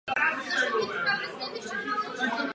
Proto je tu riziko, že budou snadno padělatelné.